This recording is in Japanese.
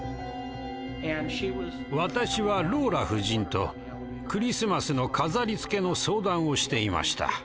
私はローラ夫人とクリスマスの飾りつけの相談をしていました。